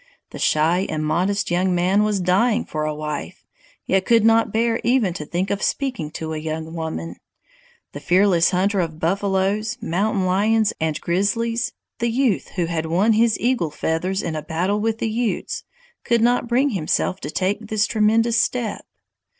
The shy and modest young man was dying for a wife, yet could not bear even to think of speaking to a young woman! The fearless hunter of buffaloes, mountain lions, and grizzlies, the youth who had won his eagle feathers in a battle with the Utes, could not bring himself to take this tremendous step.